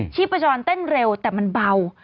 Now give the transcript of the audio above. ชีพจรเต้นเร็วแต่มันเบา